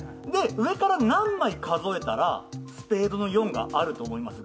上から何枚数えたらスペードの４があると思います？